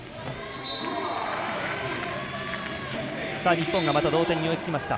日本がまた同点に追いつきました。